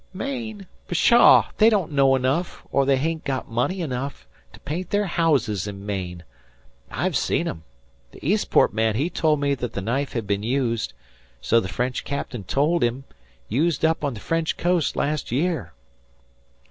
"Maine? Pshaw! They don't know enough, or they hain't got money enough, to paint their haouses in Maine. I've seen 'em. The Eastport man he told me that the knife had been used so the French captain told him used up on the French coast last year."